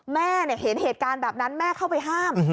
แม่เห็นเหตุการณ์แบบนั้นแม่เข้าไปห้าม